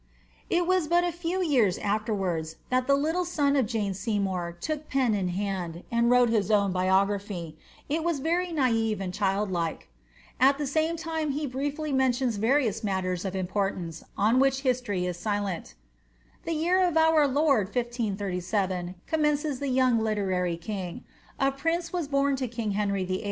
* It was but a few years afterwards, that the little son of Jane Seymour took pen in hand, and wrote his own biography ; it was very ntuvt and childlike ; at liie same time he briefly mentions various matters of importance, on which history is silenL ^The year of our Lord 1537,'' commences the young literary king, ^ a prince was bom to king Heniy VIII.